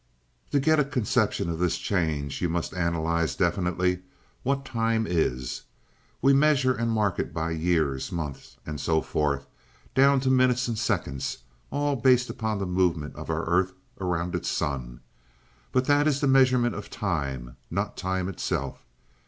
"To get a conception of this change you must analyze definitely what time is. We measure and mark it by years, months, and so forth, down to minutes and seconds, all based upon the movements of our earth around its sun. But that is the measurement of time, not time itself.